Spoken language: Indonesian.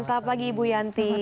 selamat pagi ibu yanti